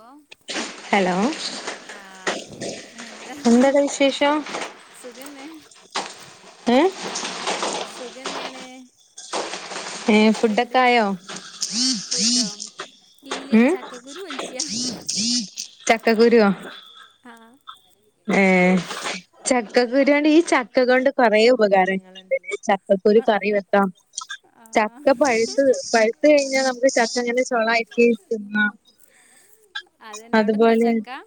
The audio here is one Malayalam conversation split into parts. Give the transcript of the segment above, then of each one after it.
ലോ ആഹ് എന്താ [inaudible] സുഖന്നെ? ഏഹ് [inaudible] ഏഹ് ഫുഡൊക്കെ ആയോ? ഫുഡോ, ഇല്ല ചക്ക കുരു പൊളിച്ചാ ചക്കക്കുരോ? ആഹ് ഏഹ്, ചക്കക്കുരൊണ്ട് ഈ ചക്ക കൊണ്ട് കൊറെേ ഉപകാരങ്ങള്ണ്ട് ലെ ചക്കക്കുരു കറി വെക്കാം. ചക്ക പഴുത്ത് പഴുത്തഴിഞ്ഞാൽ നമുക്ക് ചക്ക ഇങ്ങനെ ചൊളാക്കി തിന്നാം അതന്നെ, അവിടെണ്ടോ ചക്ക?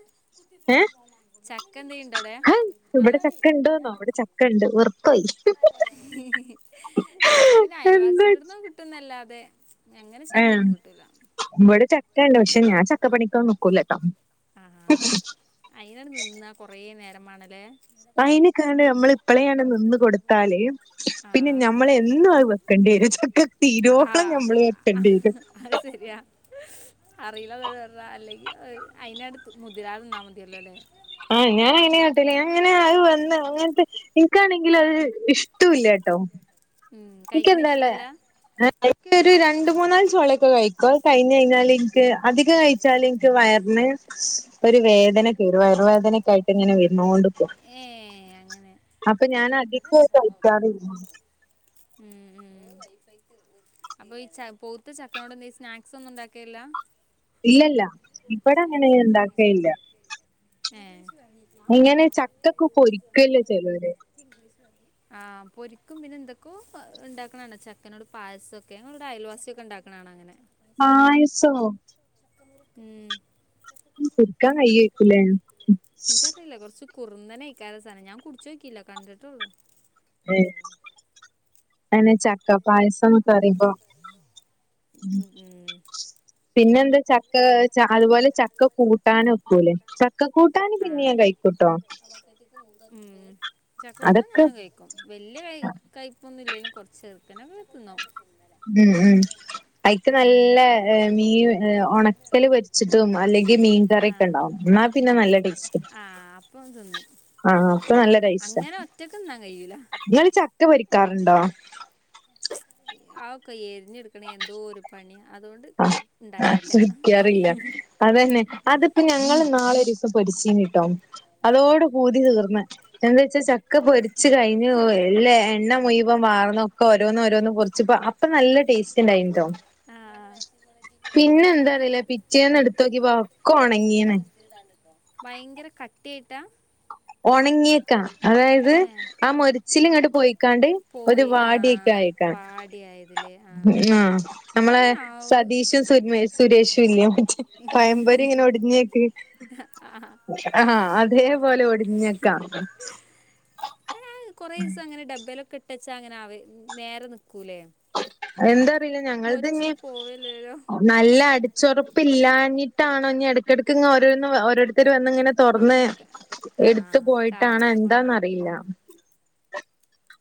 അഹ്, ഇവിടെ ചക്ക ണ്ട്ന്നോ ഇവിടെ ചക്ക ണ്ട് [inaudible] ഞങ്ങൾക്ക് പിന്നെ അയൽവാസിന്റോട്ന്ന് കിട്ടുന്നല്ലാതെ ഏഹ്, ഇവിടെ ചക്കെണ്, പക്ഷെ ഞാൻ ചക്ക പണിക്കൊന്നും നിക്കൂലട്ടോ ആഹ്, അയ്നാണ്ട് നിന്നാ കൊറേ നേരം മാണലെ അയിന്ക്കാണ്ട് നമ്മള് ഇപ്പളെ ആണ്ട് നി ന്ന് കൊടുത്താല്, പിന്നെ ഞമ്മളെന്നും അത് വെക്കണ്ടിയരും. ചക്ക തീരോളം ഞമ്മള് വെ ആഹ്, അത് സെരിയാ അറിലാണ്ട് പറ്ഞ്ഞ അല്ലെങ്കിൽ അയ്നാണ്ട് മുതിരാതന്നാ ആഹ്, ഞാനങ്ങനെ ട്ടല്, ഞാൻ അങ്ങനെ അത് വന്ന് അങ്ങൻത്തെ ഇൻക്കാണെങ്കില് അത് ഇഷ്ട്ടുല്ലാട്ടോ മ് കഴിക്ക്ണ ഇഷ്ടല്ല ഒരു രണ്ട്മൂന്നാല് അധികം കയ്ചാൽ വയറ് വേദനക്കായിട്ട് ങ്ങനെ വന്നോണ്ട്ക്കും അപ്പൊ ഞന [unintelligible] മ് മ് അപ്പൊ ഈ ച പാൌത്ത ചക്കോണ്ടെന്തേയും സ്നാക്സ് ഒന്നും ഇണ്ടായ്ക്കില്ലാ ഇല്ലല്ല ഇപടെ അങ്ങനെ ഇണ്ടാക്കയ്ല്ല ഏ ങ്ങനെ ചക്കൊക്കെ പൊരിക്കല്ലോ ചേലോര് [inaudible] ആ പൊരിക്കും പിന്നെ ന്തക്കോ ണ്ടാക്ക്ണാണ ചക്കനോട് പായ്സൊക്കെ ങ്ങള്പടെ അയൽവാസ്യൊക്കെ ണ്ടാക്ക്ണാണങ്ങനെ പായസോ? മ് കുട്ക്കാൻ കയ്യെര്ക്കുലെ ൻക്കറീല കൊർച് കുറു തന്നെ ഇക്ക സാനം ഞാൻ കുടിച്ച് നോക്കില്ല കണ്ടിട്ടുള്ളു ഏ നെ ചക്ക പായ്സം മ് പറിമ്പോ പിന്നെന്ത് ചക്ക ച അതുപോലെ ചക്ക കൂട്ടാനെക്കൂലേ ക്ക കൂട്ടാന് പിന്നി നാ കഴിക്കൂട്ടോ. മ് ചക്കൂട്ടാൻ, ഞാനും കഴിക്കും. വല്ല്യ കയ് കയ്പൊന്നുല്ലേലും കൊർച് ർ [unintelligible] തിന്നും മ് മ് അയ്ക്ക് നല്ല മീൻ ഒണക്കൽ പൊര്ച്ച്ട്ടും അല്ലെങ്ക് ഈമീങ്കറ്യൊക്കെ, ണ്ടാവും ന്നാ പിന്നെ നല്ല ടേസ്റ്റാ ആ അപ്പൊ നല്ലെ ടേസ്റ്റാ ങ്ങള്ചക്കപൊരിക്കാറ്ണ്ടോ ആക്കെ എരിഞ്ഞ്ട്ക്കാണേ എന്തോര് പണ്യാ [unintelligible] അതന്നെ അതിപ്പോ ഞങ്ങള്ൾ ഇനാള പൊരിച്ചീനിട്ടോ അതോടെ പൂതി തീർന്ന് എന്താച്ച ചക്ക പൊരിച്ച് കയ്ഞ്ഞ് എ ല്ല എണ്ണ മുയ്വം വാർന്ന് ഒക്കെ ഓരോന്നൊരോന്ന് പൊറര്ച്ച് പ്പ അപ്പൊ നല്ല ടേസ്റ്റ്ണ്ടായ്ന്ട്ടോ [unintelligible] ഒക്കെ ഒണങ്ങീന്ന് ഭയങ്കര കട്ടിയായ്ട്ടാ ഒണങ്ങീക്കാ അതായത് ആ മൊരിച്ചിൽ ഇങ്ങണ്ട് പൊയ് ക്കാണ്ട് ഒര് വാടിയൊക്കയ്ക്കാ ആ ഞമ്മളെ സ സതീഷും സുര്മെ സുരേഷുല്ലെ മറ്റേ പയംമ്പൊരി ങ്ങനെ ഒടിഞ്ഞേക്ക് അഹ അതേപോലെ ഒടിഞ്ഞക്കാ. ന്തെലൊക്കെ ഇട്ടച്ചാ അങ്ങനെ ആവ നേരെ നിക്കൂലേ എന്താറീല ഞങ്ങൾത്ഞ്ഞ് നല്ല അട് ചൊറപ്പില്ലാഞ്ഞിട്ടാണോ എടക്കടക്കിങ്ങ ഓരോന്ന് ഓരോരുത്തര് വന്നിങ്ങനെ തൊറന്ന് എടുത്തു പോയിട്ടാണാ എന്താന്നറിയില്ല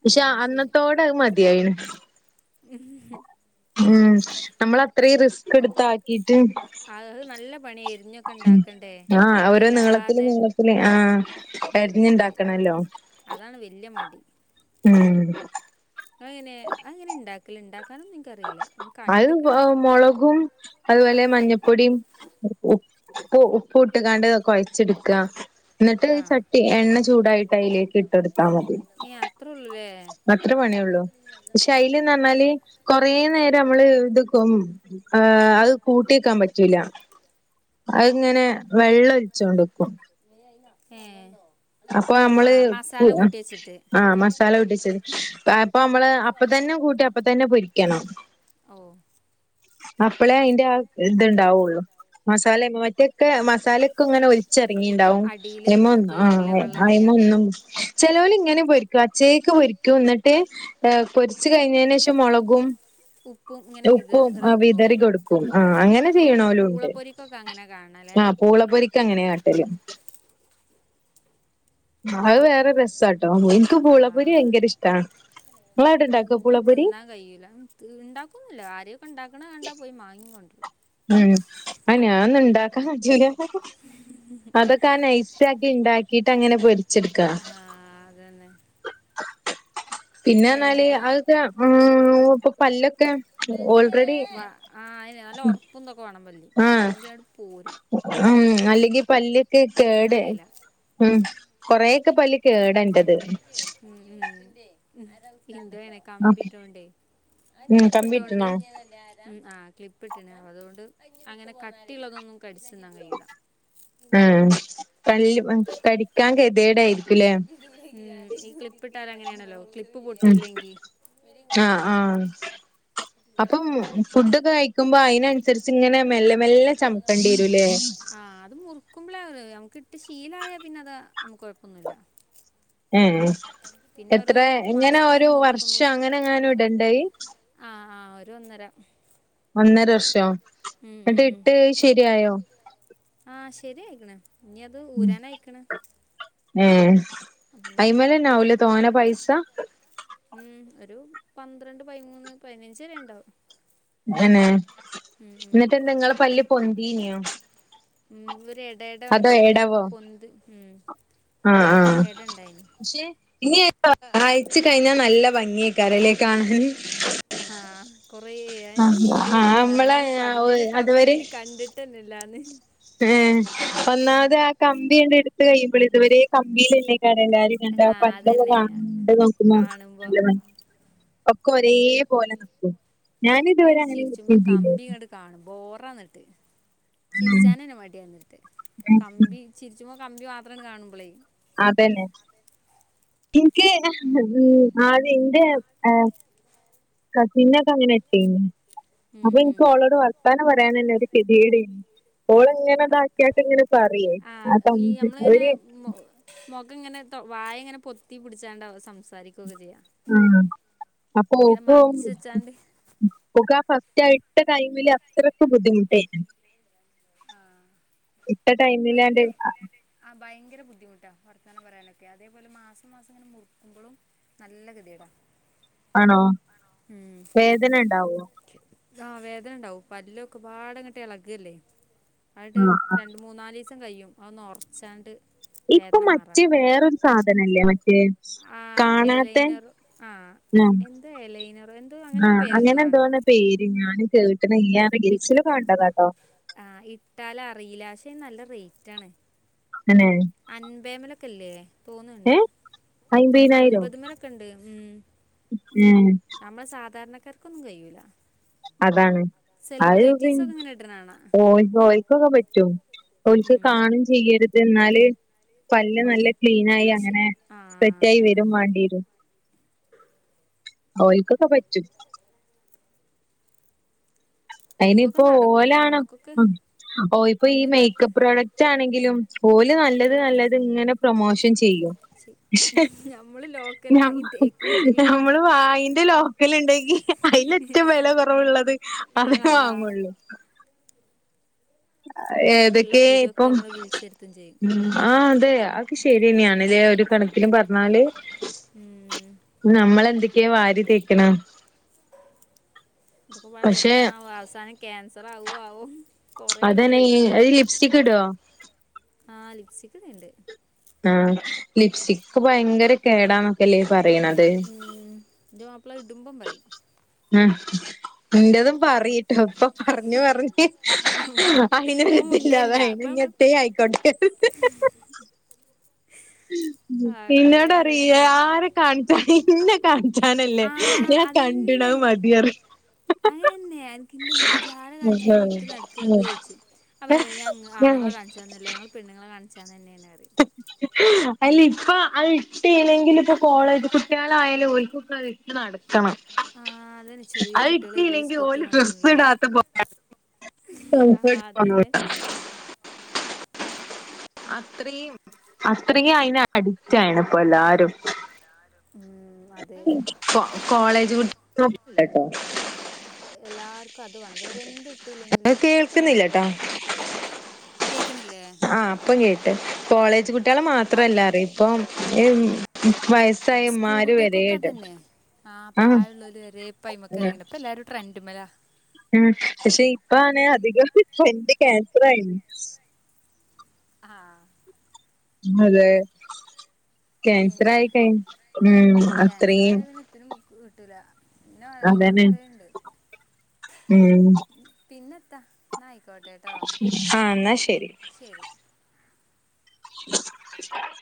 പക്ഷെ അന്നത്തോടെ അത് മതിയയിന് ഹ്‌ഹ് നമ്മളത്രയും റിസ് അ അഹ് നല്ല പണിയായിഎരിഞ്ഞൊക്കെണ്ടാ ക്കണ്ടേ കട്ടില്ലാതെ ള്ളി ആ അരിഞ്ഞിണ്ടാക്കണോല്ലോ ഉം അത് അങ്ങനെ അങ്ങനെ ഇണ്ടാക്കല് ഇണ്ടാക്കാനൊന്നും എനിക്കറിയില്ല ഞാൻ കണ്ട്ക്കണ് അതുപോലെ മഞ്ഞപ്പൊടീം ഉ ഉപ്പ് ഉപ്പ് ഇട്ട് കാണ്ട് ഇത് കൊ ഴച്ചെടുക്ക എന്നിട്ട് ചട്ടി എണ്ണ ചൂടായിട്ട് അയ്ലേക്ക് ഇട്ടൊടുത്താ മതി അത്ര പണി ഒള്ളൂ പക്ഷേ അയ്ല് നമ്മലി കൊറ കുറേ നേരം നമ്മള് ഇത് കൊ ആ അത് കൂട്ടിക്കാൻ പറ്റൂല അത്ങ്ങനെ വെള്ളം ഒഴിച്ചോണ്ടിക്കും ഏ അപ്പൊ അമ്മള് ഉ അ ആ മസാല പൊടിച്ചത് അപ്പ അപ്പോ അമ്മള് അപ്പത്തി എണ്ണകൂട്ടിയാ അപ്പ തന്നെ പൊരിക്കണം ഓ അപ്പളേ അയിന്റ ആ ഇത്ണ്ടാവുള്ളു മസാലേം മറ്റേക്കെ മസാലക്കെ ഇങ്ങനെ ഒലി ച്ചിറങ്ങിണ്ടാവും അ്മ ഒ ആ അയ്മ ഒന്നും ചെലോല് ഇങ്ങനെ പൊരിക്കും അച്ചേയ്ക്ക് പൊരിക്കും എന്നിട്ട് ആ പൊരിച്ചു കഴിഞ്ഞേനേഷം മൊളകും ഉപ്പും ആ വിതറി കൊടുക്കും ആ അങ്ങനെ ചെയ്യണോലും ഉണ്ട് ആ പൂള പൊരിക്ക് അങ്ങനെയാട്ടലും [inaudible] ആ അത് വേറെ രസാട്ടോ എനിക്ക് പൂളപ്പൊരി ഭയങ്കര ഇഷ്ടാ ഓ എനിക്കത് തിന്നാൻ കഴിയൂല്ല ഉണ്ടാക്കോന്നുല്ല ആരെയൊക്കെ ഉണ്ടാക്കണ കണ്ടാ പോയി മാങ്ങി കൊണ്ടരും ഉം ആ ഞാനന്നും ഉണ്ടാക്കാൻ പറ്റൂല ഹ ഹ അതൊക്കെ ആ നയിസ് നൈസാക്കി ഇണ്ടാക്കിട്ട് അങ്ങനെ പൊരിച്ചെടുക്ക പിന്നെ എന്നാല് അതൊക്കെ ആ ഇപ്പൊ പല്ലൊ ആ അയിന് നല്ല ഒറപ്പന്തൊക്കെ വേണം ഇല്ലെങ്കി അങ്ങട് പോരും അല്ലെങ്കിൽ പല്ലെക്കെ കേടേ ഉം കൊറെ ക്കെ പല്ല് കേടേണ്ടത് ഉം ഹിന്റ വേണേ കമ്പിട്ടൊണ്ടേ ക്ലിപ്പിട്ടോണ്ട് ഉം ആ ക്ലിപ്പ് പ്പിട്ടി ഞാ അതുകൊണ്ട് അങ്ങനെ കട്ടിയുള്ളതൊന്നും കടിച്ചു തിന്നാൻ കഴിയൂല ഇല്ലേ ട്ടാലഅങ്ങനേണല്ലോ ക്ലിപ്പ് ഉം ആ ആ അപ്പം ഉം ഫുഡൊക്കെ കഴി ക്കുമ്പോ അയ്നനുസരിച്ച് ഇങ്ങനെ മെല്ലെ മെല്ലെ ചമക്കണ്ടിരൂലേ ക്കുമ്പ്ള അറിയാമോ ക്കിട്ട് ശീലായ പിന്നെ അത് നമുക്ക് കൊഴപ്പൊന്നുല്ല ഏ എത്ര എങ്ങന ഒരു വർഷം അങ്ങനെ എങ്ങാനും ഇടണ്ടഹ് ഒരൊന്നര ഒന്നര വർഷോ എന്നട്ട് ഇട്ട് ശരിയായോ ആ ശെരിയായിക്കണ് ഇനി അത് ഊരാനയിക്കണ് ഏ അയിമേലന്ന ആവുലെ തോന പൈസ ഒരു പന്ത്രണ്ട് പയ്മൂന്ന് പയ്നഞ്ച് വരെ എണ്ടാവും മോനേ എന്നിട്ട്എന്താ നിങ്ങള പല്ല് പൊന്തീനിയോ ഉം ഒരു ഇടയിട വന്നാണ്ട് പൊന്ത് ഉം ആ ആ പക്ഷേ ഇനി [unintelligible] അയിച്ച് കഴിഞ്ഞാൽ നല്ല ഭംഗിയേകാരലേ കാണാന് ആ കൊറേ എന്റെ വീട്ടിൽ പറഞ്ഞ ഞാൻ പല്ലീന് കമ്പി ഊരി കണ്ടിട്ടില്ലാന്ന് ആ ഒന്നാമത് ആ കമ്പി അങ്ങട്ട് എടുത്ത് കഴിയുമ്പോൾ ഇതുവരെയും കമ്പിയിലല്ലേ എല്ലാരും കണ്ട് കണ്ടത് കാണണ്ട് നോക്കുന്നോ ഹലോ ക്കൊരേ പോലെ നിക്കും എന്നിട്ട് ചിരിച്ചുമ്പോ കമ്പി ഇങ്ങോട്ട് കാണും ബോറാ എന്നിട്ട് ചിരിച്ചാന തന്നെ മടിയാ എന്നിട്ട് കമ്പി ചിരിച്ചുമ്പോ കമ്പി മാത്രമാണ് കാണുമ്പോളേ അതന്നെ എനിക്ക് ഉ ആത് ഇന്റെ ഏ കസിന്ന് ഒക്കെ അങ്ങനെ ഇട്ടീനി അത് എനിക്ക് ഓളോട് വർത്താനം പറയാനല്ലേ ഒരു [unintelligible] ഓളെങ്ങനെതാക്കിയാട്ട് ഇങ്ങനെ പറിയേ ആ കമ്പി ഒര് വായ ഇങ്ങനെ പൊത്തി പിടിച്ചാണ്ട് അവള് സംസാ ആഹ് അപ്പൊ [unintelligible] ഓക്കാ ഫസ് റ്റയ്ട്ട ടൈംല് അത്രക്ക് ബുദ്ധിമുട്ടേനു ആ അത് ഇട്ടിട്ട് ആ ഭയങ്കര ബുദ്ധിമുട്ടാ ത്താനം പറയാനൊക്കെ അതേപോലെ മാസം മാസം ഇങ്ങനെ മുറുക്കുമ്പളും നല്ല ഗതിയേടാ ആണോ വേദന ഉണ്ടാവോ ആ വേദന ഉണ്ടാവും പല്ലൊക്കെ ഒരുപാടങ്ങട്ട് ഇളകുവല്ലേ അന്നിട്ട്‌ രണ്ട് ദിവസം കഴിയും അതൊന്ന് ഉറച്ചാണ്ട് ഇപ്പൊ മറ്റേ വേറൊരു സാധനല്ലേ മറ്റേ കാണാത്തെ ആ ആ അങ്ങനെ എന്തോ ആണ് പേര് ഞാന് കേട്ട്ണ് ഇല്ലാർഞ് റീലസിലൊക്കെ കണ്ടതാട്ടോ പക്ഷേ നല്ല റേറ്റാണ് അൻപേമലൊക്കെ ഇല്ലേ തോന്ന്ണ്ട്. അൻപത് മലൊക്കെ ഉണ്ട് ഉം നമ്മള് സാധാരണക്കാർക്കൊന്നും കയ്യൂല അതാണ് അത് പി ഓൽക്കൊക്കെ പറ്റും ഓൽക്ക് കാണും ചെയ്യരുത് എന്നാല് പല്ല് നല്ല ക്ലീനായി അങ്ങനെ സെറ്റായി വരും വേണ്ടി വരും ഓൽക്കൊക്കെ പറ്റും അയിനിപ്പോ ഓലാണ് ഓ ഇപ്പൊ ഈ മേക്കപ്പ് പ്രോഡക്റ്റ് ആണെങ്കിലും ഓല് നല്ലത് നല്ലത് ഇങ്ങനെ പ്രൊമോഷൻ ചെ ഞമ്മള് നമ്മള് വായിന്റെ ലോക്കല് ഇണ്ടെങ്കി അയിലെറ്റം വെല കുറവ് ഉള്ളത് അതേ വാങ്ങുള്ളൂ ഏതൊക്കെ ഇപ്പം ആ അതെ അത് ശരിതന്നെ ആണ് അല്ലേ ഒരു കണക്കിന് പറഞ്ഞാല് നമ്മളെന്തൊക്കെ ക്കെയാ വാരി തേക്ക്ണ ഇതൊക്കെ പാടെ എത്താണാവോ അവസാനം ക്യാൻസർ ആവോ ആവം അതന്നെ അത് ലിപ്സ്റ്റിക് ഇടുവോ ആ ലിപ്സ്റ്റിക്ക് ഇടണണ്ട് ആ ലിപ്സ്റ്റിക്ക് ഭയങ്കര കേടാന്നൊക്കെല്ലേ ഉം ന്റെ മാപ്പള ഇടുമ്പം പറിം ഉം ഇന്റതും പറീട്ടോ ഇപ്പൊ പറഞ് പറഞ്ഞ് അയിനൊരിതില്ലാതായിണ് ഇഞ് ത്തേ ആയിക്കോട്ടെ പിന്നോട അറിയ ആരെ കാണിച്ച ഇന്നെ കാണ ഞാനല്ലേ ഞാൻ കണ്ടിട മതിയറ് അതെന്നെ എന കിന്നുമ പി ജാാര കാണിച്ചനെ ഇട്ട് നടക്കണത ചോദച്ചു അമ്മയ ആണുങ്ങളെ കാണിച്ചന്ന ഞങ്ങൾ പെണ്ണുെണിച്ചാന്ന് തന്നെയെ അറ അല്ല ഇപ്പ അത് ഇട്ടല്ലെങ്കിൽ ഇപ്പൊ കോളേജ് കുട്ടികളായാലും ഒക്ക് ഓക്കൊക്കെ ഇട്ട് നടക്കും കണം അത് കിട്ടില്ലെങ്കിൽ ല ഡ്രെസ് ഇടാത്ത പോലാണ് കഫർട്ട പോ അത്രയും അത്രയും അയിന് അടി യാണ്പ്പ എല്ലാരും കോളേജ് കുട്ട കേട്ടോ എല്ലാർക്കും അത് വേണം വേറെ എന് ഇട്ടില്ലെങ്കിലും ലിസിക്ക് നിർബന്ധ ആഹ് അപ്പം കേട്ട് കോളേജ് കുട്ടികള് മാത്രല്ല അത് ഇപ്പം - വയസ്സായ ഉമ്മമാര് വരെഇണ്ട് ആ പ്രായുള്ള ഒരു രേപ്പൈ് [unintelligible] മ ഒക്കെ ഇറങ്ങിണ്ടണ്ട് അപ്പൊ എല്ലാരും ട്രൻഡും മലാ ഉം പക്ഷെ ഇപ്പ ആണ് അധികം ട്രെൻഡറ് ക്യാൻസർ ആയിരുന്നു ആഹ് അതെ കാൻസർ ആയി കഴിഞ്ഞു അത്രയും- പിന്നെ ഇന്നോട് പറണ്ട് പിന്നെ ഇത്താ- ആഹ് എന്നാ ശരി [inaudible]